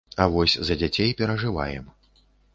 А вось за дзяцей перажываем.